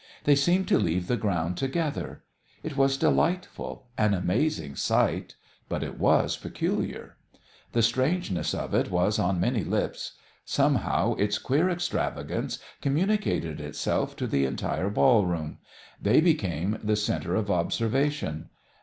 They seemed to leave the ground together. It was delightful, an amazing sight; but it was peculiar. The strangeness of it was on many lips. Somehow its queer extravagance communicated itself to the entire ball room. They became the centre of observation.